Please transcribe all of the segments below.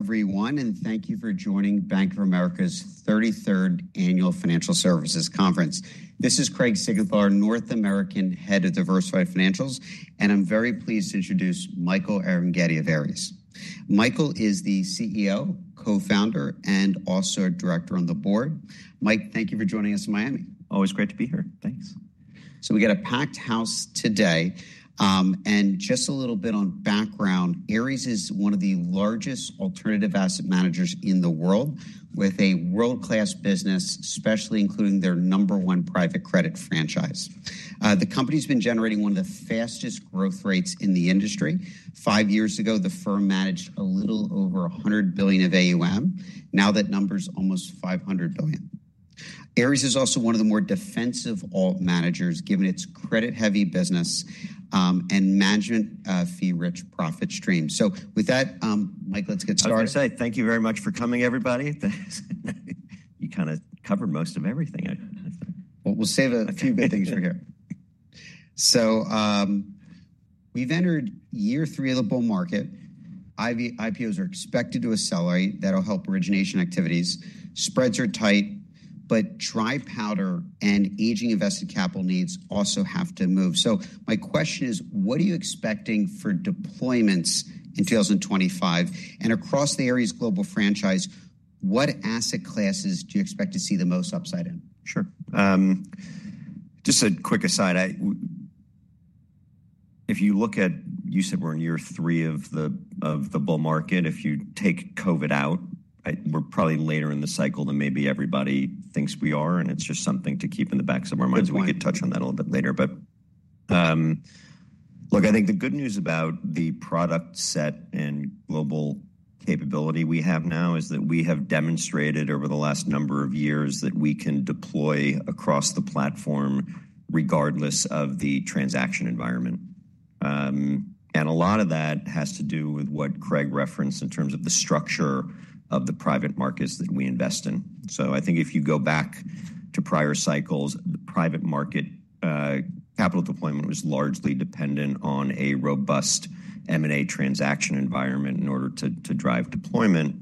Everyone, and thank you for joining Bank of America's 33rd annual financial services conference. This is Craig Siegenthaler, North American Head of Diversified Financials, and I'm very pleased to introduce Michael Arougheti of Ares. Michael is the CEO, Co-Founder, and also Director on the board. Mike, thank you for joining us in Miami. Always great to be here. Thanks. We got a packed house today. Just a little bit on background, Ares is one of the largest alternative asset managers in the world, with a world-class business, especially including their number one private credit franchise. The company's been generating one of the fastest growth rates in the industry. Five years ago, the firm managed a little over $100 billion of AUM. Now that number's almost $500 billion. Ares is also one of the more defensive alt managers, given its credit-heavy business and management fee-rich profit streams. With that, Mike, let's get started. I was going to say, thank you very much for coming, everybody. You kind of covered most of everything. We'll save a few good things for here. We've entered year three of the bull market. IPOs are expected to accelerate. That'll help origination activities. Spreads are tight, but dry powder and aging invested capital needs also have to move. My question is, what are you expecting for deployments in 2025? Across the Ares global franchise, what asset classes do you expect to see the most upside in? Sure. Just a quick aside. If you look at, you said we're in year three of the bull market. If you take COVID out, we're probably later in the cycle than maybe everybody thinks we are. And it's just something to keep in the back of our minds. We could touch on that a little bit later. But look, I think the good news about the product set and global capability we have now is that we have demonstrated over the last number of years that we can deploy across the platform, regardless of the transaction environment. And a lot of that has to do with what Craig referenced in terms of the structure of the private markets that we invest in. I think if you go back to prior cycles, the private market capital deployment was largely dependent on a robust M&A transaction environment in order to drive deployment.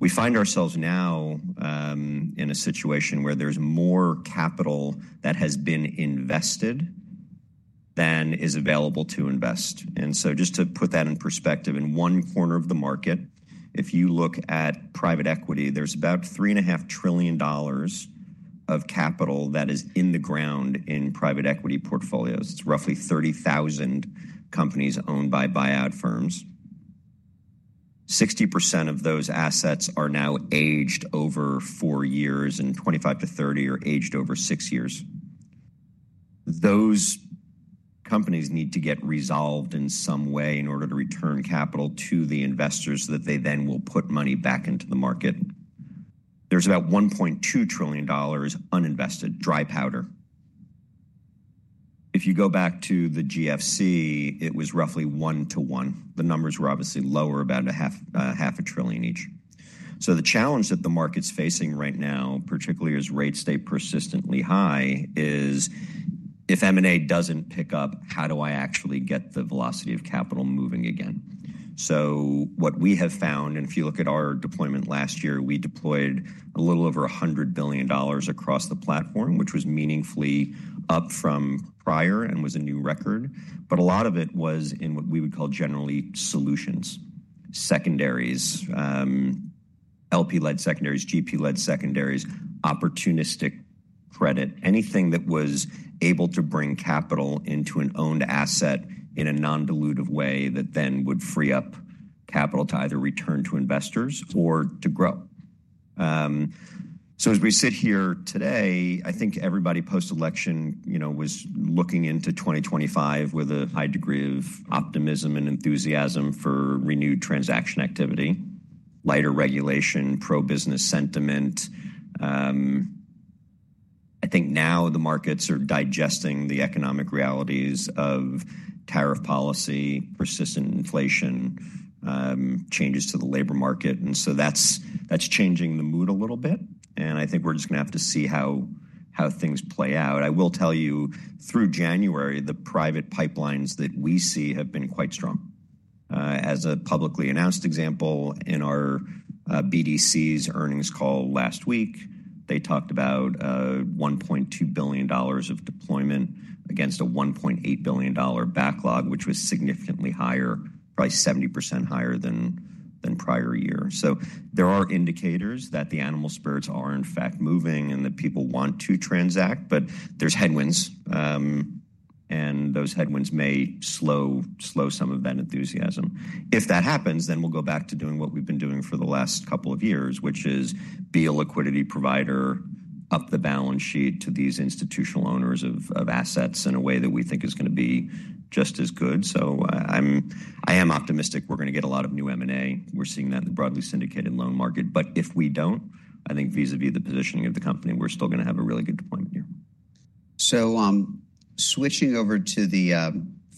We find ourselves now in a situation where there's more capital that has been invested than is available to invest. And just to put that in perspective, in one corner of the market, if you look at private equity, there's about $3.5 trillion of capital that is in the ground in private equity portfolios. It's roughly 30,000 companies owned by buyout firms. 60% of those assets are now aged over four years, and 25%-30% are aged over six years. Those companies need to get resolved in some way in order to return capital to the investors that they then will put money back into the market. There's about $1.2 trillion uninvested dry powder. If you go back to the GFC, it was roughly one to one. The numbers were obviously lower, about $0.5 trillion each. So the challenge that the market's facing right now, particularly as rates stay persistently high, is if M&A doesn't pick up, how do I actually get the velocity of capital moving again? So what we have found, and if you look at our deployment last year, we deployed a little over $100 billion across the platform, which was meaningfully up from prior and was a new record. But a lot of it was in what we would call generally solutions, secondaries, LP-led secondaries, GP-led secondaries, opportunistic credit, anything that was able to bring capital into an owned asset in a non-dilutive way that then would free up capital to either return to investors or to grow. So as we sit here today, I think everybody post-election was looking into 2025 with a high degree of optimism and enthusiasm for renewed transaction activity, lighter regulation, pro-business sentiment. I think now the markets are digesting the economic realities of tariff policy, persistent inflation, changes to the labor market. And so that's changing the mood a little bit. And I think we're just going to have to see how things play out. I will tell you, through January, the private pipelines that we see have been quite strong. As a publicly announced example, in our BDC's earnings call last week, they talked about $1.2 billion of deployment against a $1.8 billion backlog, which was significantly higher, probably 70% higher than prior year. So there are indicators that the animal spirits are, in fact, moving and that people want to transact, but there's headwinds. Those headwinds may slow some of that enthusiasm. If that happens, then we'll go back to doing what we've been doing for the last couple of years, which is be a liquidity provider, up the balance sheet to these institutional owners of assets in a way that we think is going to be just as good. I am optimistic we're going to get a lot of new M&A. We're seeing that in the broadly syndicated loan market. If we don't, I think vis-à-vis the positioning of the company, we're still going to have a really good deployment year. So switching over to the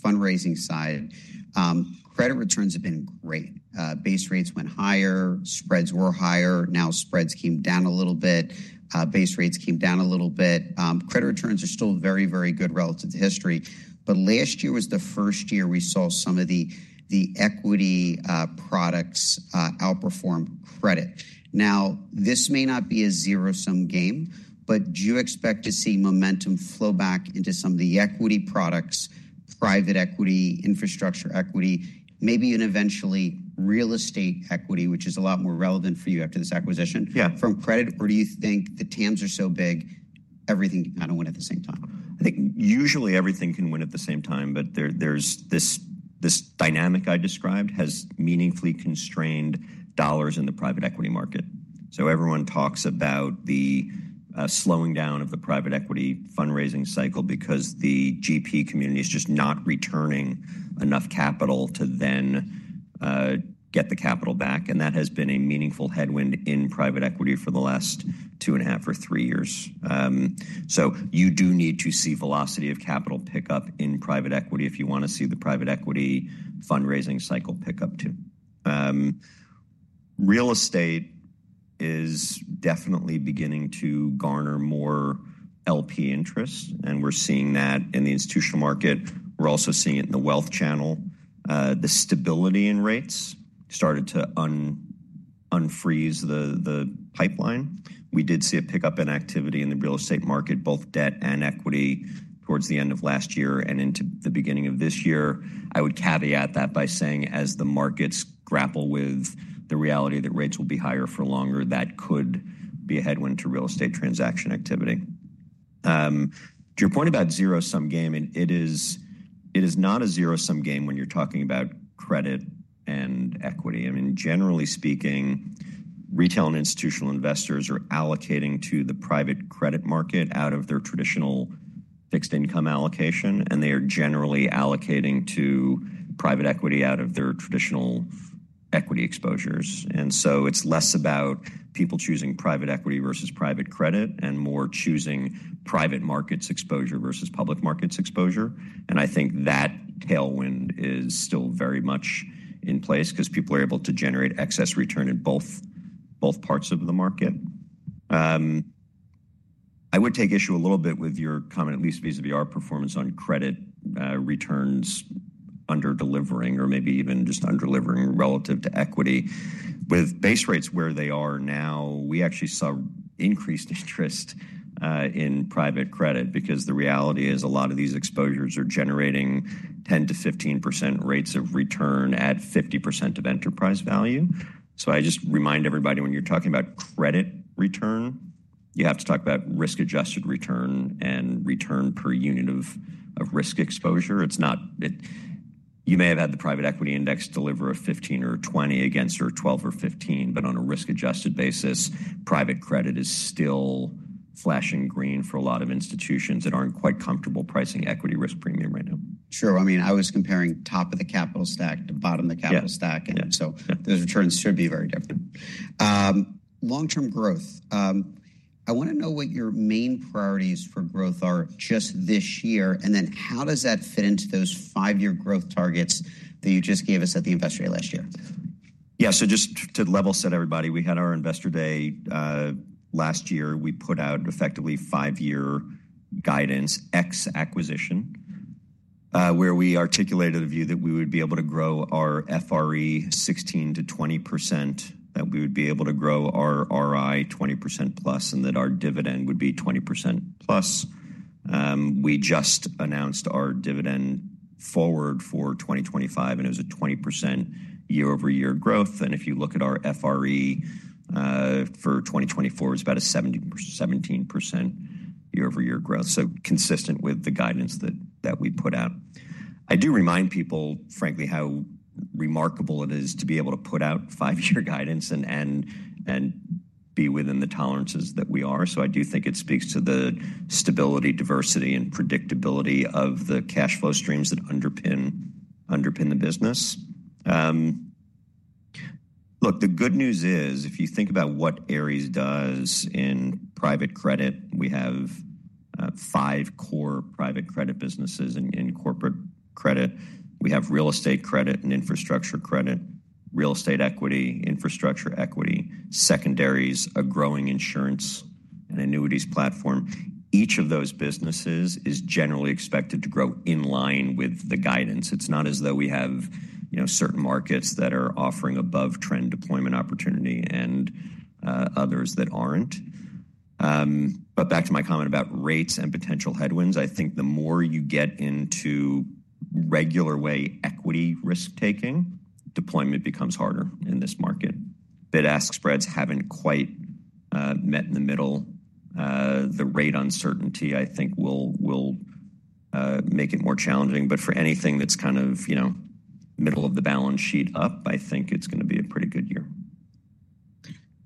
fundraising side, credit returns have been great. Base rates went higher, spreads were higher. Now spreads came down a little bit. Base rates came down a little bit. Credit returns are still very, very good relative to history. But last year was the first year we saw some of the equity products outperform credit. Now, this may not be a zero-sum game, but do you expect to see momentum flow back into some of the equity products, private equity, infrastructure equity, maybe even eventually real estate equity, which is a lot more relevant for you after this acquisition? Yeah. From credit, or do you think the TAMs are so big everything kind of win at the same time? I think usually everything can win at the same time, but this dynamic I described has meaningfully constrained dollars in the private equity market. So everyone talks about the slowing down of the private equity fundraising cycle because the GP community is just not returning enough capital to then get the capital back. And that has been a meaningful headwind in private equity for the last two and a half or three years. So you do need to see velocity of capital pickup in private equity if you want to see the private equity fundraising cycle pick up too. Real estate is definitely beginning to garner more LP interest. And we're seeing that in the institutional market. We're also seeing it in the wealth channel. The stability in rates started to unfreeze the pipeline. We did see a pickup in activity in the real estate market, both debt and equity, towards the end of last year and into the beginning of this year. I would caveat that by saying as the markets grapple with the reality that rates will be higher for longer, that could be a headwind to real estate transaction activity. To your point about zero-sum game, it is not a zero-sum game when you're talking about credit and equity. I mean, generally speaking, retail and institutional investors are allocating to the private credit market out of their traditional fixed income allocation, and they are generally allocating to private equity out of their traditional equity exposures, and so it's less about people choosing private equity versus private credit and more choosing private markets exposure versus public markets exposure. And I think that tailwind is still very much in place because people are able to generate excess return in both parts of the market. I would take issue a little bit with your comment, at least vis-à-vis our performance on credit returns under-delivering or maybe even just under-delivering relative to equity. With base rates where they are now, we actually saw increased interest in private credit because the reality is a lot of these exposures are generating 10%-15% rates of return at 50% of enterprise value. So I just remind everybody when you're talking about credit return, you have to talk about risk-adjusted return and return per unit of risk exposure. You may have had the private equity index deliver a 15% or 20% against or 12% or 15%, but on a risk-adjusted basis, private credit is still flashing green for a lot of institutions that aren't quite comfortable pricing equity risk premium right now. Sure. I mean, I was comparing top of the capital stack to bottom of the capital stack, and so those returns should be very different. Long-term growth. I want to know what your main priorities for growth are just this year, and then how does that fit into those five-year growth targets that you just gave us at the investor day last year? Yeah. So just to level set everybody, we had our investor day last year. We put out effectively five-year guidance ex-acquisition, where we articulated a view that we would be able to grow our FRE 16%-20%, that we would be able to grow our RI 20%+, and that our dividend would be 20%+. We just announced our dividend forward for 2025, and it was a 20% year-over-year growth. And if you look at our FRE for 2024, it was about a 17% year-over-year growth, so consistent with the guidance that we put out. I do remind people, frankly, how remarkable it is to be able to put out five-year guidance and be within the tolerances that we are. So I do think it speaks to the stability, diversity, and predictability of the cash flow streams that underpin the business. Look, the good news is if you think about what Ares does in private credit, we have five core private credit businesses in corporate credit. We have real estate credit and infrastructure credit, real estate equity, infrastructure equity, secondaries, a growing insurance and annuities platform. Each of those businesses is generally expected to grow in line with the guidance. It's not as though we have certain markets that are offering above-trend deployment opportunity and others that aren't. But back to my comment about rates and potential headwinds, I think the more you get into regular way equity risk-taking, deployment becomes harder in this market. Bid-ask spreads haven't quite met in the middle. The rate uncertainty, I think, will make it more challenging. But for anything that's kind of middle of the balance sheet up, I think it's going to be a pretty good year.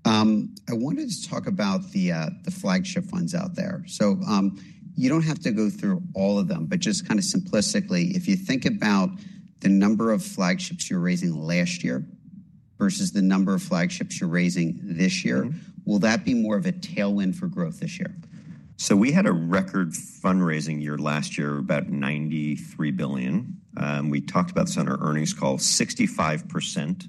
I wanted to talk about the flagship funds out there. So you don't have to go through all of them, but just kind of simplistically, if you think about the number of flagships you're raising last year versus the number of flagships you're raising this year, will that be more of a tailwind for growth this year? So we had a record fundraising year last year, about $93 billion. We talked about this on our earnings call. 65%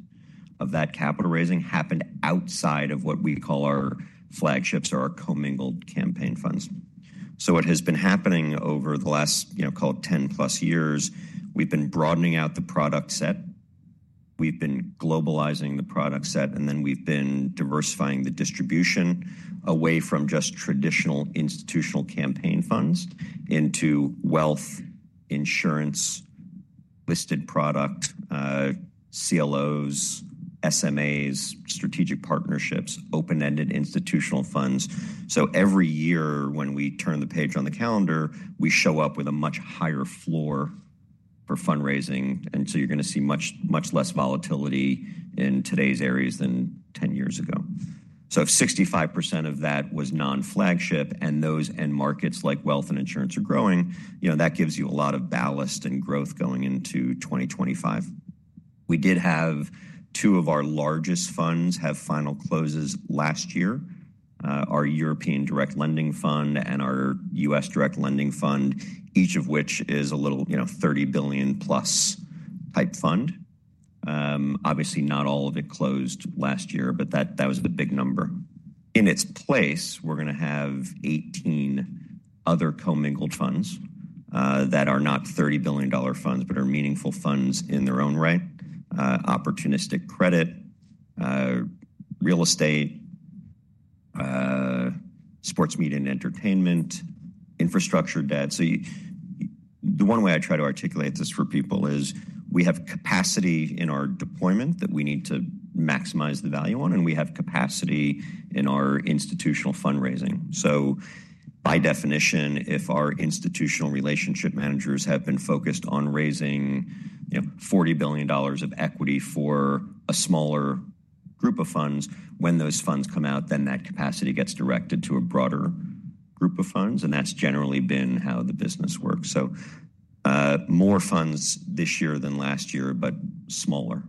of that capital raising happened outside of what we call our flagships or our commingled campaign funds. So what has been happening over the last, call it, 10+ years, we've been broadening out the product set. We've been globalizing the product set, and then we've been diversifying the distribution away from just traditional institutional campaign funds into wealth, insurance, listed product, CLOs, SMAs, strategic partnerships, open-ended institutional funds. So every year when we turn the page on the calendar, we show up with a much higher floor for fundraising. And so you're going to see much less volatility in Ares than 10 years ago. So if 65% of that was non-flagship and those end markets like wealth and insurance are growing, that gives you a lot of ballast and growth going into 2025. We did have two of our largest funds have final closes last year, our European Direct Lending Fund and our U.S. Direct Lending Fund, each of which is a little $30 billion+ type fund. Obviously, not all of it closed last year, but that was the big number. In its place, we're going to have 18 other commingled funds that are not $30 billion funds, but are meaningful funds in their own right: opportunistic credit, real estate, sports, media, and entertainment, infrastructure debt. So the one way I try to articulate this for people is we have capacity in our deployment that we need to maximize the value on, and we have capacity in our institutional fundraising. So by definition, if our institutional relationship managers have been focused on raising $40 billion of equity for a smaller group of funds, when those funds come out, then that capacity gets directed to a broader group of funds. And that's generally been how the business works. So more funds this year than last year, but smaller.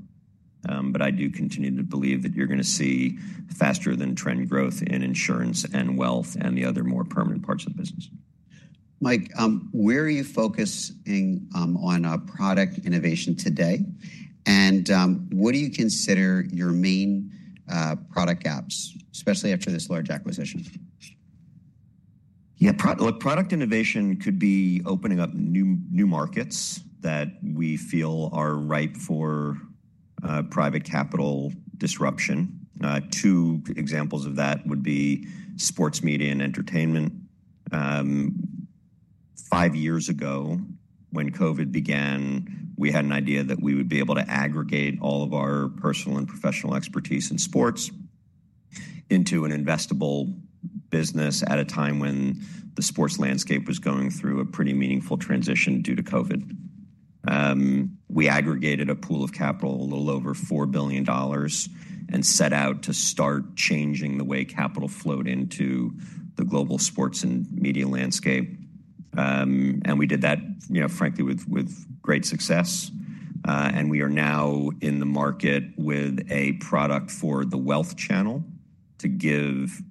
But I do continue to believe that you're going to see faster-than-trend growth in insurance and wealth and the other more permanent parts of the business. Mike, where are you focusing on product innovation today? And what do you consider your main product gaps, especially after this large acquisition? Yeah. Look, product innovation could be opening up new markets that we feel are ripe for private capital disruption. Two examples of that would be sports, media, and entertainment. Five years ago, when COVID began, we had an idea that we would be able to aggregate all of our personal and professional expertise in sports into an investable business at a time when the sports landscape was going through a pretty meaningful transition due to COVID. We aggregated a pool of capital a little over $4 billion and set out to start changing the way capital flowed into the global sports and media landscape. And we did that, frankly, with great success. And we are now in the market with a product for the wealth channel to give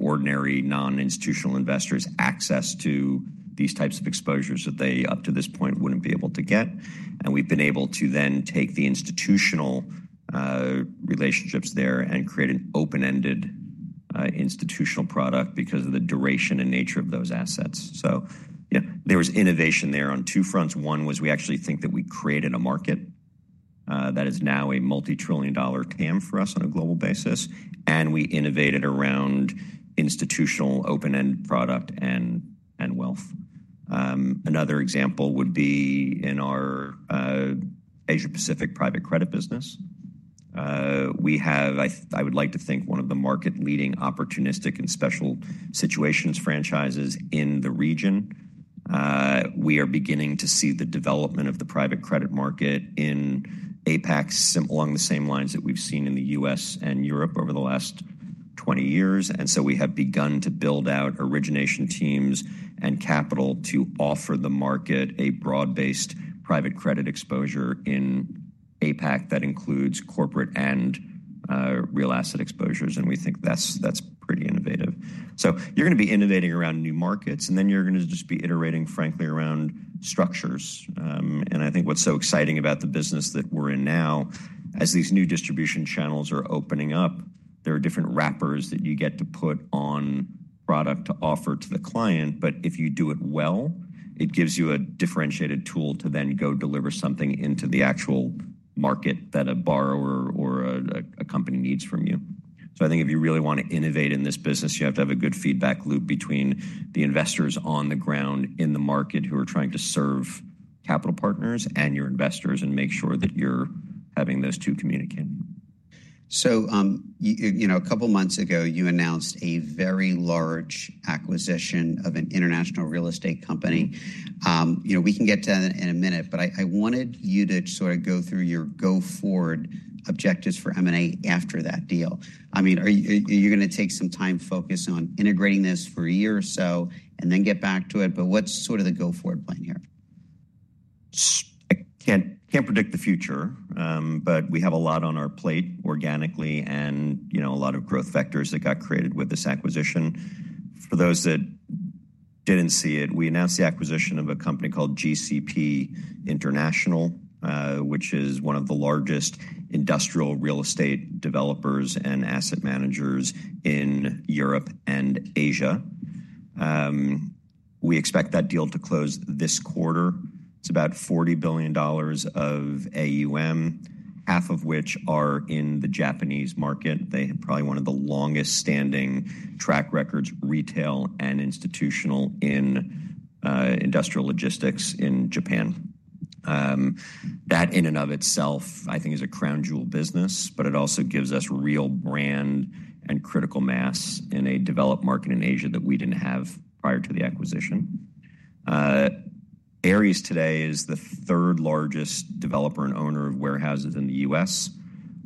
ordinary non-institutional investors access to these types of exposures that they up to this point wouldn't be able to get. We've been able to then take the institutional relationships there and create an open-ended institutional product because of the duration and nature of those assets. There was innovation there on two fronts. One was we actually think that we created a market that is now a multi-trillion dollar TAM for us on a global basis, and we innovated around institutional open-ended product and wealth. Another example would be in our Asia-Pacific private credit business. We have, I would like to think, one of the market-leading opportunistic and special situations franchises in the region. We are beginning to see the development of the private credit market in APAC along the same lines that we've seen in the U.S. and Europe over the last 20 years. And so we have begun to build out origination teams and capital to offer the market a broad-based private credit exposure in APAC that includes corporate and real asset exposures. And we think that's pretty innovative. So you're going to be innovating around new markets, and then you're going to just be iterating, frankly, around structures. And I think what's so exciting about the business that we're in now, as these new distribution channels are opening up, there are different wrappers that you get to put on product to offer to the client. But if you do it well, it gives you a differentiated tool to then go deliver something into the actual market that a borrower or a company needs from you. So I think if you really want to innovate in this business, you have to have a good feedback loop between the investors on the ground in the market who are trying to serve capital partners and your investors and make sure that you're having those two communicate. So a couple of months ago, you announced a very large acquisition of an international real estate company. We can get to that in a minute, but I wanted you to sort of go through your go-forward objectives for M&A after that deal. I mean, you're going to take some time to focus on integrating this for a year or so and then get back to it. But what's sort of the go-forward plan here? I can't predict the future, but we have a lot on our plate organically and a lot of growth vectors that got created with this acquisition. For those that didn't see it, we announced the acquisition of a company called GCP International, which is one of the largest industrial real estate developers and asset managers in Europe and Asia. We expect that deal to close this quarter. It's about $40 billion of AUM, half of which are in the Japanese market. They have probably one of the longest-standing track records, retail and institutional, in industrial logistics in Japan. That in and of itself, I think, is a crown jewel business, but it also gives us real brand and critical mass in a developed market in Asia that we didn't have prior to the acquisition. Ares today is the third-largest developer and owner of warehouses in the U.S..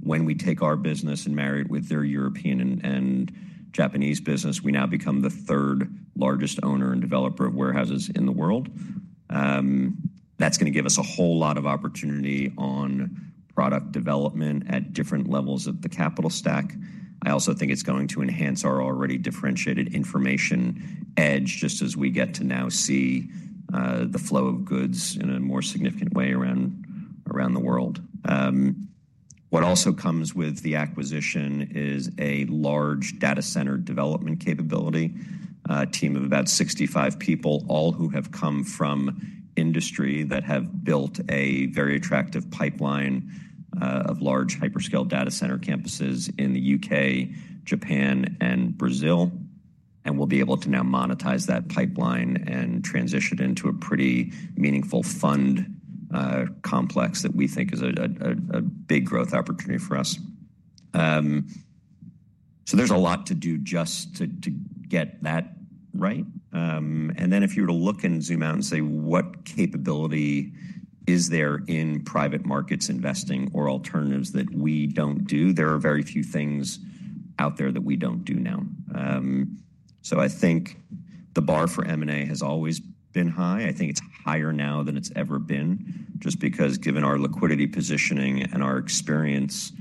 When we take our business and marry it with their European and Japanese business, we now become the third-largest owner and developer of warehouses in the world. That's going to give us a whole lot of opportunity on product development at different levels of the capital stack. I also think it's going to enhance our already differentiated information edge just as we get to now see the flow of goods in a more significant way around the world. What also comes with the acquisition is a large data center development capability team of about 65 people, all who have come from industry that have built a very attractive pipeline of large hyperscale data center campuses in the U.K., Japan, and Brazil, and will be able to now monetize that pipeline and transition into a pretty meaningful fund complex that we think is a big growth opportunity for us. So there's a lot to do just to get that right. And then if you were to look and zoom out and say, "What capability is there in private markets investing or alternatives that we don't do?" There are very few things out there that we don't do now. So I think the bar for M&A has always been high. I think it's higher now than it's ever been just because, given our liquidity positioning and our experience,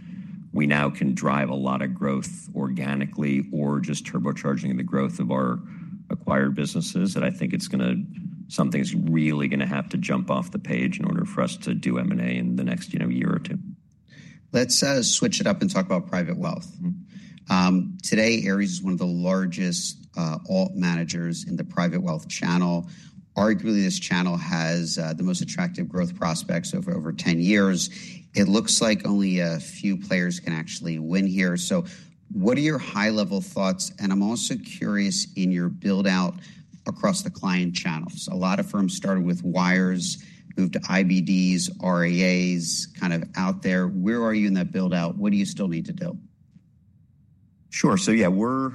we now can drive a lot of growth organically or just turbocharging the growth of our acquired businesses. And I think something's really going to have to jump off the page in order for us to do M&A in the next year or two. Let's switch it up and talk about private wealth. Today, Ares is one of the largest alt managers in the private wealth channel. Arguably, this channel has the most attractive growth prospects over 10 years. It looks like only a few players can actually win here. So what are your high-level thoughts? And I'm also curious in your build-out across the client channels. A lot of firms started with wirehouses, moved to IBDs, RIAs kind of out there. Where are you in that build-out? What do you still need to do? Sure. So yeah, we're.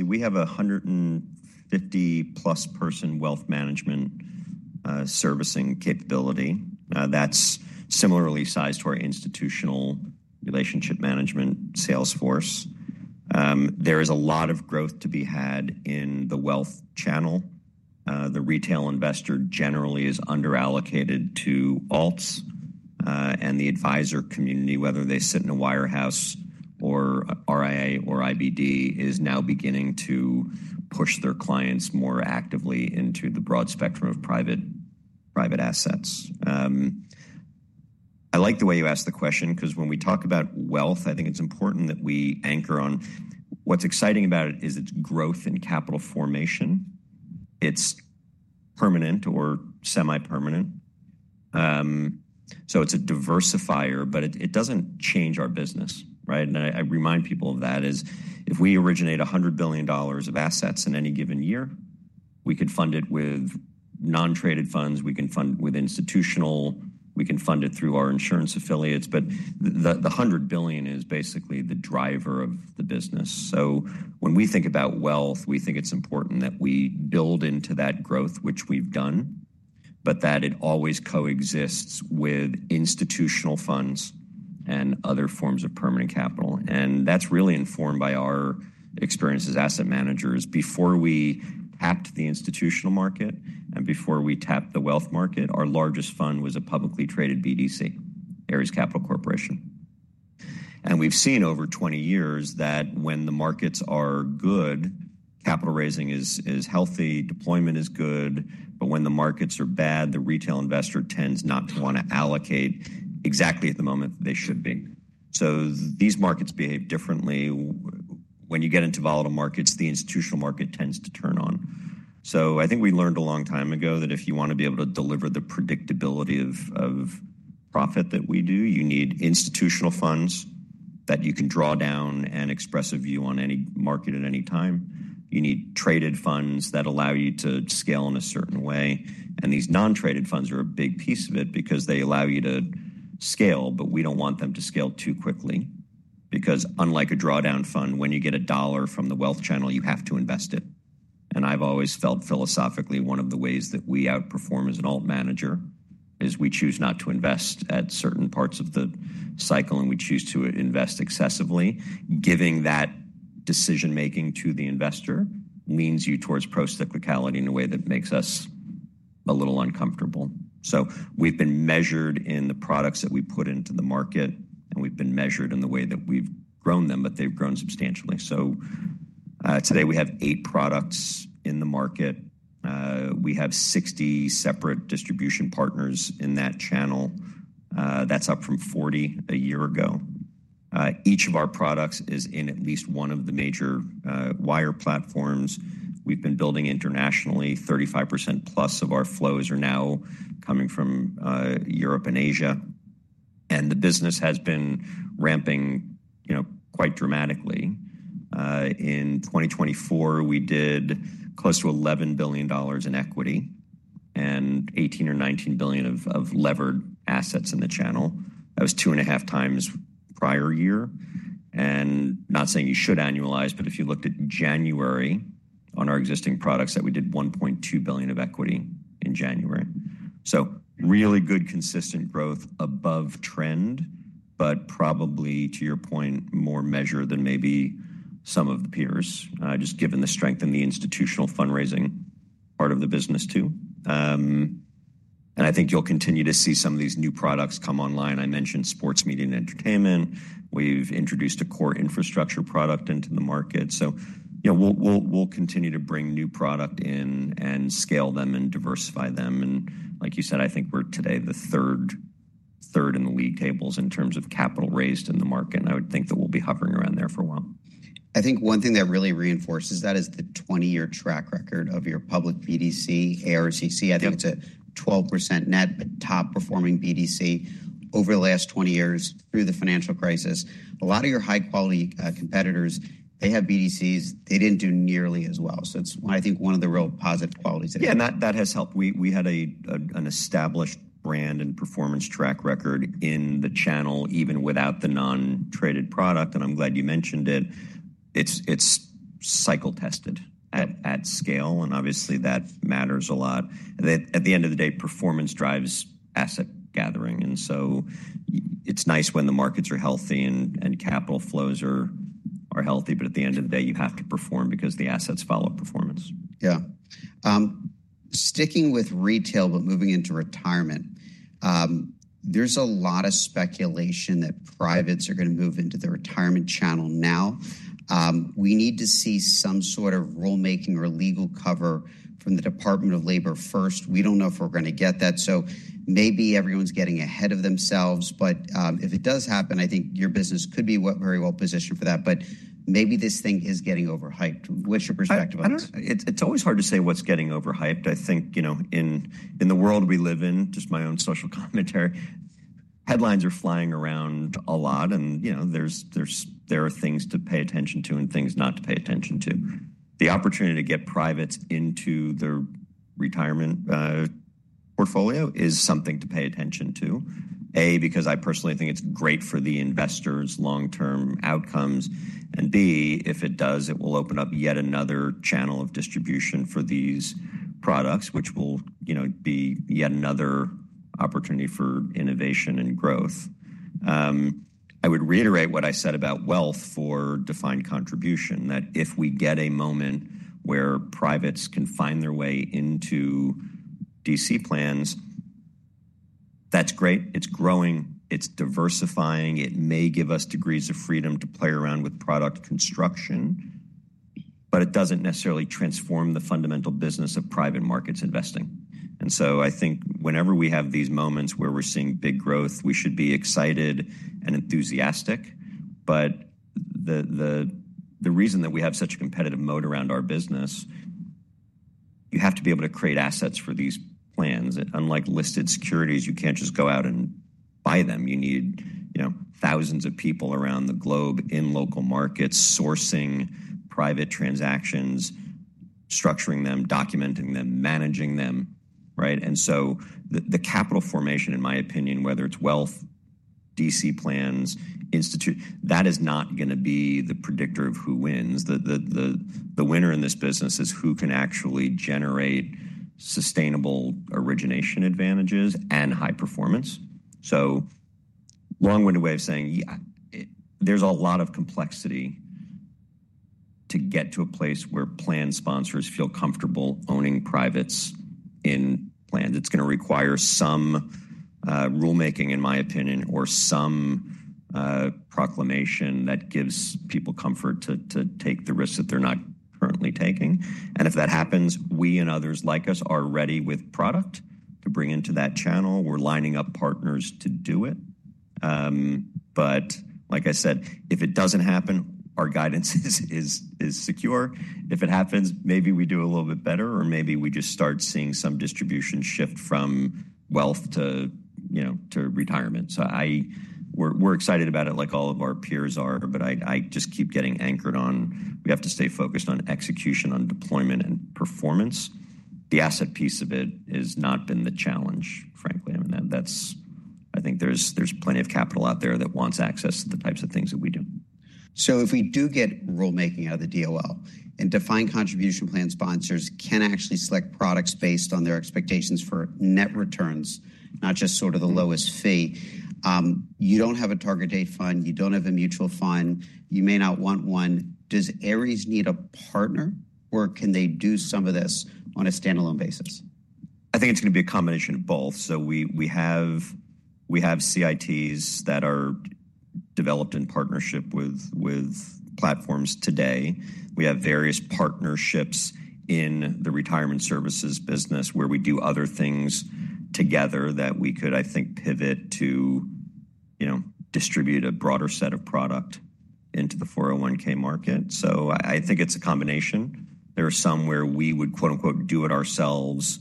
We have a 150+ person wealth management servicing capability. That's similarly sized to our institutional relationship management, sales force. There is a lot of growth to be had in the wealth channel. The retail investor generally is underallocated to alts, and the advisor community, whether they sit in a wirehouse or RIA or IBD, is now beginning to push their clients more actively into the broad spectrum of private assets. I like the way you asked the question because when we talk about wealth, I think it's important that we anchor on what's exciting about it is its growth and capital formation. It's permanent or semi-permanent. So it's a diversifier, but it doesn't change our business, right? And I remind people of that is if we originate $100 billion of assets in any given year, we could fund it with non-traded funds. We can fund it with institutional. We can fund it through our insurance affiliates. But the $100 billion is basically the driver of the business. So when we think about wealth, we think it's important that we build into that growth, which we've done, but that it always coexists with institutional funds and other forms of permanent capital. And that's really informed by our experience as asset managers. Before we tapped the institutional market and before we tapped the wealth market, our largest fund was a publicly traded BDC, Ares Capital Corporation. And we've seen over 20 years that when the markets are good, capital raising is healthy, deployment is good, but when the markets are bad, the retail investor tends not to want to allocate exactly at the moment they should be. So these markets behave differently. When you get into volatile markets, the institutional market tends to turn on, so I think we learned a long time ago that if you want to be able to deliver the predictability of profit that we do, you need institutional funds that you can draw down and express a view on any market at any time. You need traded funds that allow you to scale in a certain way, and these non-traded funds are a big piece of it because they allow you to scale, but we don't want them to scale too quickly because, unlike a drawdown fund, when you get a dollar from the wealth channel, you have to invest it, and I've always felt philosophically one of the ways that we outperform as an alt manager is we choose not to invest at certain parts of the cycle, and we choose to invest excessively. Giving that decision-making to the investor leans you towards procyclicality in a way that makes us a little uncomfortable, so we've been measured in the products that we put into the market, and we've been measured in the way that we've grown them, but they've grown substantially, so today, we have eight products in the market. We have 60 separate distribution partners in that channel. That's up from 40 a year ago. Each of our products is in at least one of the major wire platforms. We've been building internationally. 35%+ of our flows are now coming from Europe and Asia, and the business has been ramping quite dramatically. In 2024, we did close to $11 billion in equity and $18 billion-$19 billion of levered assets in the channel. That was two and a half times prior year. Not saying you should annualize, but if you looked at January on our existing products, we did $1.2 billion of equity in January. So really good consistent growth above trend, but probably, to your point, more measured than maybe some of the peers, just given the strength in the institutional fundraising part of the business too. And I think you'll continue to see some of these new products come online. I mentioned sports, media, and entertainment. We've introduced a core infrastructure product into the market. So we'll continue to bring new product in and scale them and diversify them. And like you said, I think we're today the third in the league tables in terms of capital raised in the market. And I would think that we'll be hovering around there for a while. I think one thing that really reinforces that is the 20-year track record of your public BDC, ARCC. I think it's a 12% net, but top-performing BDC over the last 20 years through the financial crisis. A lot of your high-quality competitors, they have BDCs. They didn't do nearly as well. So it's, I think, one of the real positive qualities that. Yeah, and that has helped. We had an established brand and performance track record in the channel even without the non-traded product. And I'm glad you mentioned it. It's cycle-tested at scale. And obviously, that matters a lot. At the end of the day, performance drives asset gathering. And so it's nice when the markets are healthy and capital flows are healthy, but at the end of the day, you have to perform because the assets follow performance. Yeah. Sticking with retail, but moving into retirement, there's a lot of speculation that privates are going to move into the retirement channel now. We need to see some sort of rulemaking or legal cover from the Department of Labor first. We don't know if we're going to get that. So maybe everyone's getting ahead of themselves. But if it does happen, I think your business could be very well positioned for that. But maybe this thing is getting overhyped. What's your perspective on this? It's always hard to say what's getting overhyped. I think in the world we live in, just my own social commentary, headlines are flying around a lot. And there are things to pay attention to and things not to pay attention to. The opportunity to get privates into their retirement portfolio is something to pay attention to, A, because I personally think it's great for the investors' long-term outcomes, and B, if it does, it will open up yet another channel of distribution for these products, which will be yet another opportunity for innovation and growth. I would reiterate what I said about wealth for defined contribution, that if we get a moment where privates can find their way into DC plans, that's great. It's growing. It's diversifying. It may give us degrees of freedom to play around with product construction, but it doesn't necessarily transform the fundamental business of private markets investing, and so I think whenever we have these moments where we're seeing big growth, we should be excited and enthusiastic, but the reason that we have such a competitive mode around our business, you have to be able to create assets for these plans. Unlike listed securities, you can't just go out and buy them. You need thousands of people around the globe in local markets sourcing private transactions, structuring them, documenting them, managing them, right, and so the capital formation, in my opinion, whether it's wealth, DC plans, institute, that is not going to be the predictor of who wins. The winner in this business is who can actually generate sustainable origination advantages and high performance. a long-winded way of saying, there's a lot of complexity to get to a place where plan sponsors feel comfortable owning privates in plans. It's going to require some rulemaking, in my opinion, or some proclamation that gives people comfort to take the risks that they're not currently taking. And if that happens, we and others like us are ready with product to bring into that channel. We're lining up partners to do it. But like I said, if it doesn't happen, our guidance is secure. If it happens, maybe we do a little bit better, or maybe we just start seeing some distribution shift from wealth to retirement. So we're excited about it like all of our peers are, but I just keep getting anchored on we have to stay focused on execution, on deployment, and performance. The asset piece of it has not been the challenge, frankly. I mean, I think there's plenty of capital out there that wants access to the types of things that we do. So if we do get rulemaking out of the DOL and defined contribution plan sponsors can actually select products based on their expectations for net returns, not just sort of the lowest fee, you don't have a target date fund. You don't have a mutual fund. You may not want one. Does Ares need a partner, or can they do some of this on a standalone basis? I think it's going to be a combination of both. So we have CITs that are developed in partnership with platforms today. We have various partnerships in the retirement services business where we do other things together that we could, I think, pivot to distribute a broader set of product into the 401(k) market. So I think it's a combination. There are some where we would "do it ourselves"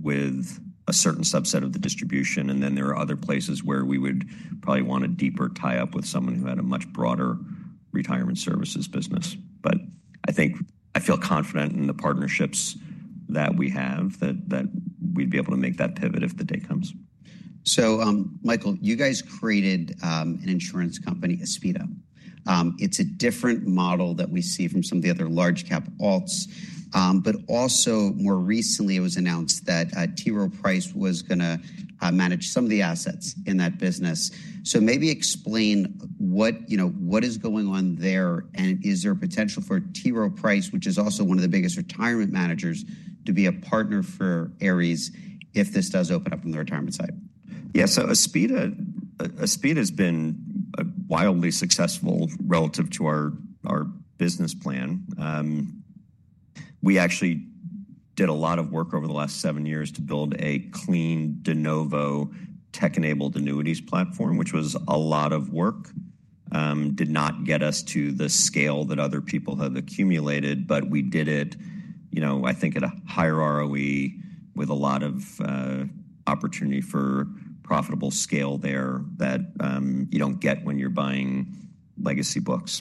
with a certain subset of the distribution. And then there are other places where we would probably want a deeper tie-up with someone who had a much broader retirement services business. But I think I feel confident in the partnerships that we have that we'd be able to make that pivot if the day comes. Michael, you guys created an insurance company, Aspida. It's a different model that we see from some of the other large-cap alts, but also more recently, it was announced that T. Rowe Price was going to manage some of the assets in that business. So maybe explain what is going on there and is there a potential for T. Rowe Price, which is also one of the biggest retirement managers, to be a partner for Ares if this does open up on the retirement side? Yeah. Aspida has been wildly successful relative to our business plan. We actually did a lot of work over the last seven years to build a clean de novo tech-enabled annuities platform, which was a lot of work. Did not get us to the scale that other people have accumulated, but we did it, I think, at a higher ROE with a lot of opportunity for profitable scale there that you don't get when you're buying legacy books.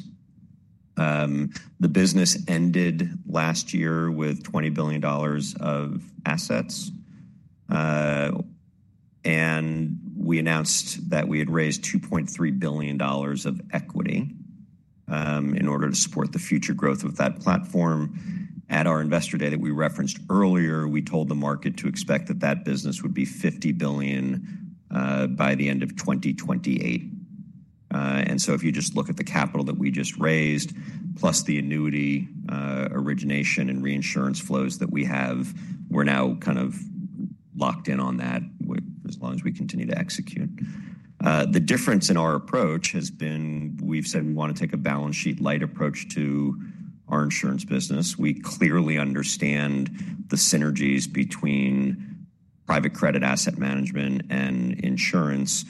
The business ended last year with $20 billion of assets, and we announced that we had raised $2.3 billion of equity in order to support the future growth of that platform. At our investor day that we referenced earlier, we told the market to expect that that business would be $50 billion by the end of 2028. And so if you just look at the capital that we just raised, plus the annuity origination and reinsurance flows that we have, we're now kind of locked in on that as long as we continue to execute. The difference in our approach has been we've said we want to take a balance sheet-light approach to our insurance business. We clearly understand the synergies between private credit asset management and insurance.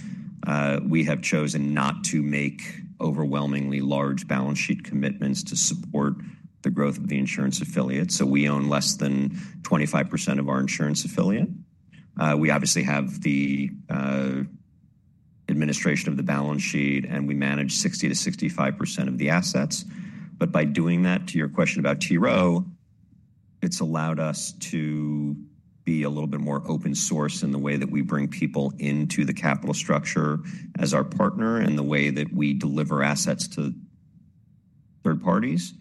We have chosen not to make overwhelmingly large balance sheet commitments to support the growth of the insurance affiliate. So we own less than 25% of our insurance affiliate. We obviously have the administration of the balance sheet, and we manage 60%-65% of the assets. But by doing that, to your question about T. Rowe, it's allowed us to be a little bit more open-source in the way that we bring people into the capital structure as our partner and the way that we deliver assets to third parties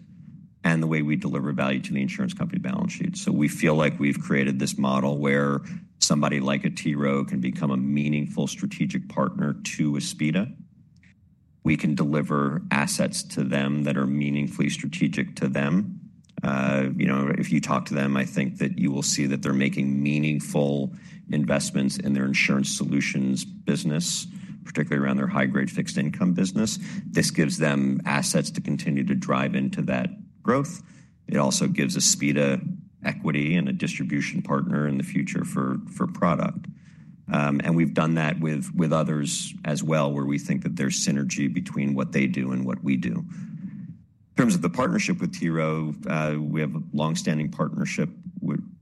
and the way we deliver value to the insurance company balance sheet. So we feel like we've created this model where somebody like a T. Rowe can become a meaningful strategic partner to Aspida. We can deliver assets to them that are meaningfully strategic to them. If you talk to them, I think that you will see that they're making meaningful investments in their insurance solutions business, particularly around their high-grade fixed income business. This gives them assets to continue to drive into that growth. It also gives Aspida equity and a distribution partner in the future for product. We've done that with others as well, where we think that there's synergy between what they do and what we do. In terms of the partnership with T. Rowe, we have a long-standing partnership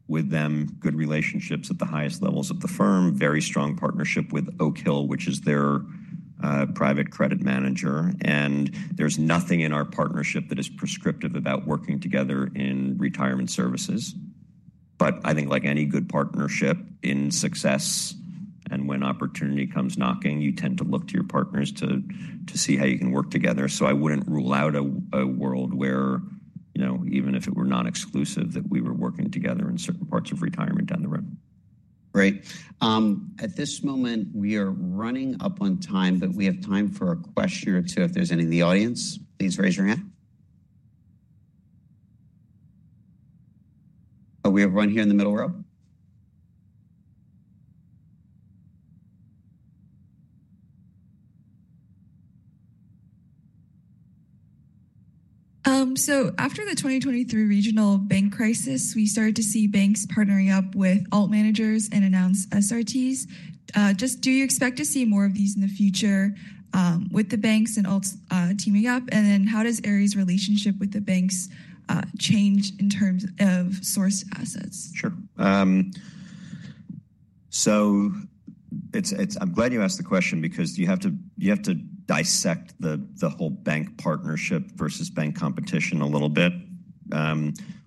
with them, good relationships at the highest levels of the firm, very strong partnership with Oak Hill, which is their private credit manager. There's nothing in our partnership that is prescriptive about working together in retirement services. I think, like any good partnership, in success and when opportunity comes knocking, you tend to look to your partners to see how you can work together. I wouldn't rule out a world where, even if it were non-exclusive, that we were working together in certain parts of retirement down the road. Great. At this moment, we are running up on time, but we have time for a question or two if there's any in the audience. Please raise your hand. Are we ever run here in the middle row? So after the 2023 regional bank crisis, we started to see banks partnering up with alt managers and announced SRTs. Just, do you expect to see more of these in the future with the banks and alts teaming up? And then how does Ares' relationship with the banks change in terms of sourced assets? Sure. So I'm glad you asked the question because you have to dissect the whole bank partnership versus bank competition a little bit.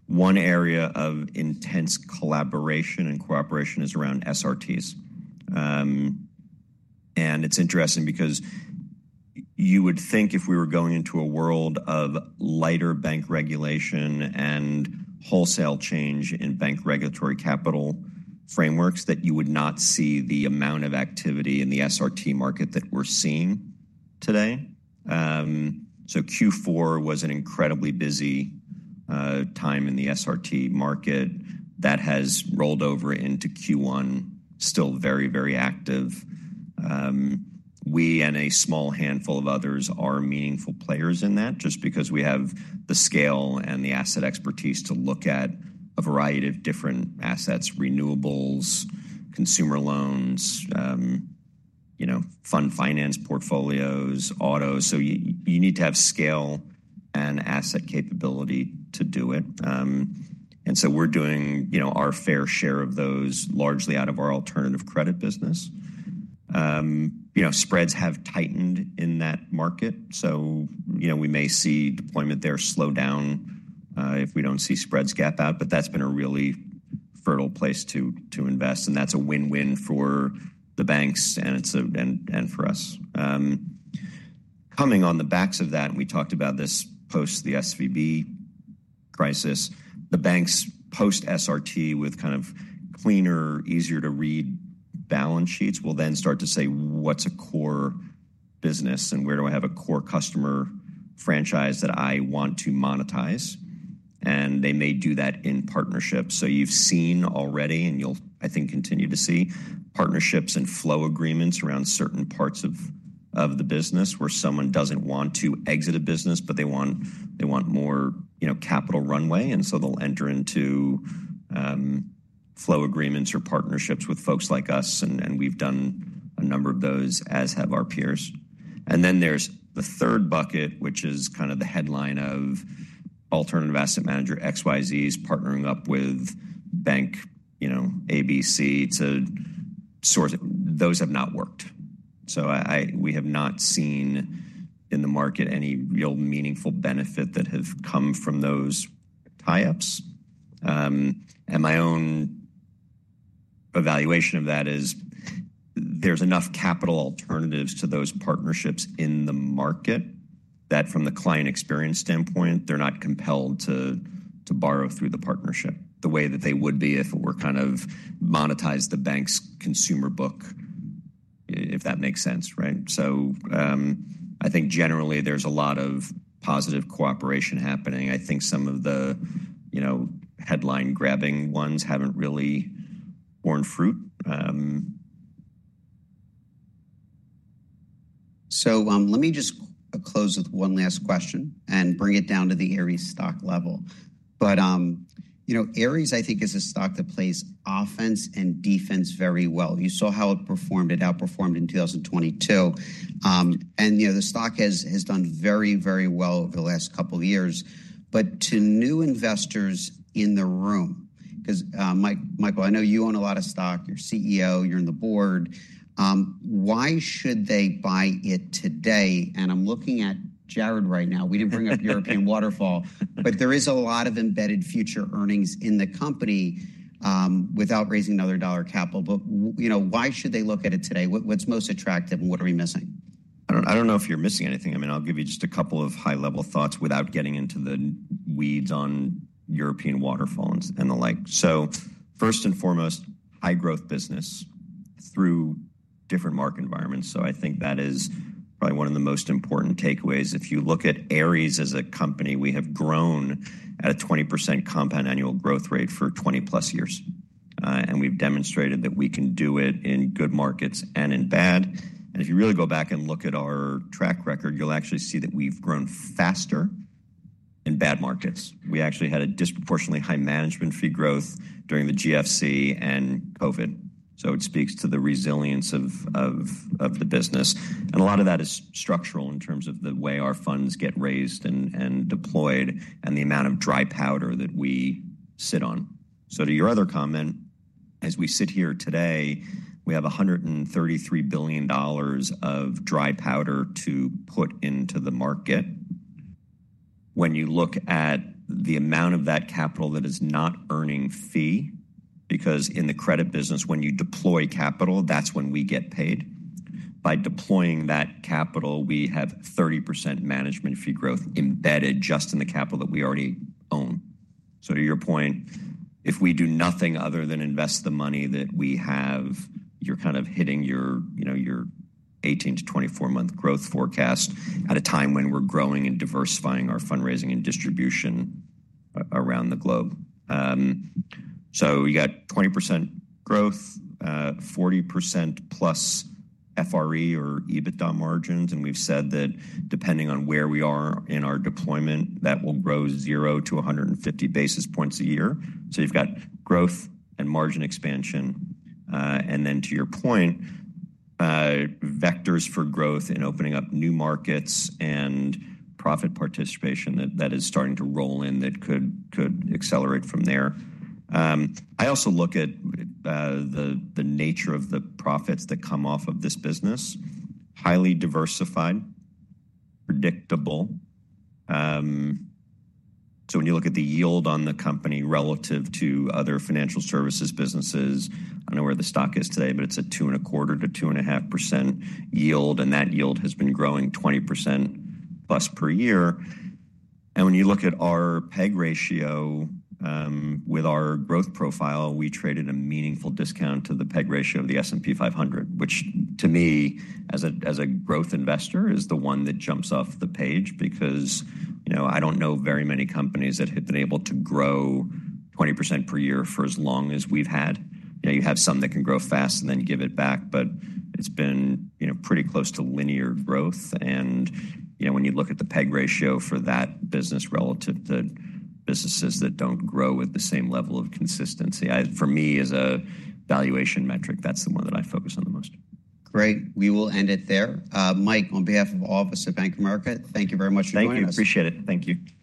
One area of intense collaboration and cooperation is around SRTs. And it's interesting because you would think if we were going into a world of lighter bank regulation and wholesale change in bank regulatory capital frameworks that you would not see the amount of activity in the SRT market that we're seeing today. So Q4 was an incredibly busy time in the SRT market. That has rolled over into Q1, still very, very active. We and a small handful of others are meaningful players in that just because we have the scale and the asset expertise to look at a variety of different assets, renewables, consumer loans, fund finance portfolios, auto. So you need to have scale and asset capability to do it. And so we're doing our fair share of those largely out of our alternative credit business. Spreads have tightened in that market. So we may see deployment there slow down if we don't see spreads gap out, but that's been a really fertile place to invest. And that's a win-win for the banks and for us. Coming on the backs of that, and we talked about this post the SVB crisis, the banks post SRT with kind of cleaner, easier-to-read balance sheets will then start to say, "What's a core business, and where do I have a core customer franchise that I want to monetize?" And they may do that in partnerships. So you've seen already, and you'll, I think, continue to see partnerships and flow agreements around certain parts of the business where someone doesn't want to exit a business, but they want more capital runway. And so they'll enter into flow agreements or partnerships with folks like us. And we've done a number of those, as have our peers. And then there's the third bucket, which is kind of the headline of alternative asset manager XYZs partnering up with bank ABC to source. Those have not worked. So we have not seen in the market any real meaningful benefit that has come from those tie-ups. And my own evaluation of that is there's enough capital alternatives to those partnerships in the market that from the client experience standpoint, they're not compelled to borrow through the partnership the way that they would be if it were kind of monetized the bank's consumer book, if that makes sense, right? So I think generally there's a lot of positive cooperation happening. I think some of the headline-grabbing ones haven't really borne fruit. So let me just close with one last question and bring it down to the Ares stock level. But Ares, I think, is a stock that plays offense and defense very well. You saw how it performed. It outperformed in 2022. And the stock has done very, very well over the last couple of years. But to new investors in the room, because Michael, I know you own a lot of stock. You're CEO. You're on the board. Why should they buy it today? And I'm looking at Jarrod right now. We didn't bring up European waterfalls, but there is a lot of embedded future earnings in the company without raising another dollar capital. But why should they look at it today? What's most attractive, and what are we missing? I don't know if you're missing anything. I mean, I'll give you just a couple of high-level thoughts without getting into the weeds on European waterfalls and the like, so first and foremost, high-growth business through different market environments, so I think that is probably one of the most important takeaways. If you look at Ares as a company, we have grown at a 20% compound annual growth rate for 20+ years. And we've demonstrated that we can do it in good markets and in bad. And if you really go back and look at our track record, you'll actually see that we've grown faster in bad markets. We actually had a disproportionately high management fee growth during the GFC and COVID, so it speaks to the resilience of the business. And a lot of that is structural in terms of the way our funds get raised and deployed and the amount of dry powder that we sit on. So to your other comment, as we sit here today, we have $133 billion of dry powder to put into the market. When you look at the amount of that capital that is not earning fee, because in the credit business, when you deploy capital, that's when we get paid. By deploying that capital, we have 30% management fee growth embedded just in the capital that we already own. So to your point, if we do nothing other than invest the money that we have, you're kind of hitting your 18-24-month growth forecast at a time when we're growing and diversifying our fundraising and distribution around the globe. So you got 20% growth, 40%+ FRE or EBITDA margins. We've said that depending on where we are in our deployment, that will grow 0-150 basis points a year. So you've got growth and margin expansion. And then to your point, vectors for growth and opening up new markets and profit participation that is starting to roll in that could accelerate from there. I also look at the nature of the profits that come off of this business: highly diversified, predictable. So when you look at the yield on the company relative to other financial services businesses, I don't know where the stock is today, but it's a 2.25%-2.5% yield. And that yield has been growing 20%+ per year. And when you look at our PEG ratio with our growth profile, we traded a meaningful discount to the PEG ratio of the S&P 500, which to me, as a growth investor, is the one that jumps off the page because I don't know very many companies that have been able to grow 20% per year for as long as we've had. You have some that can grow fast and then give it back, but it's been pretty close to linear growth. And when you look at the PEG ratio for that business relative to businesses that don't grow with the same level of consistency, for me, as a valuation metric, that's the one that I focus on the most. Great. We will end it there. Mike, on behalf of all of us at Bank of America, thank you very much for joining us. Thank you. Appreciate it. Thank you.